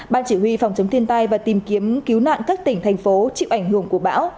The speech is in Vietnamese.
ban chỉ huy phòng chống thiên tai và tìm kiếm cứu nạn các tỉnh thành phố chịu ảnh hưởng của bão